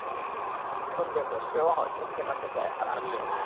এখন দেখো, সেও তোমাকে মারতে চাই আর আমিও।